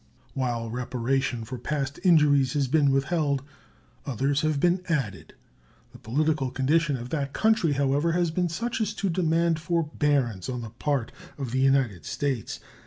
While reparation for past injuries has been withheld, others have been added. The political condition of that country, however, has been such as to demand forbearance on the part of the United States.